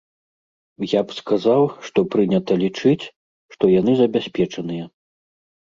Я б сказаў, што прынята лічыць, што яны забяспечаныя.